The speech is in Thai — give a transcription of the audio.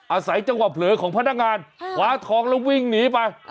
อาศัยจังหวะเผลอของพนักงานขวาทองแล้ววิ่งหนีไป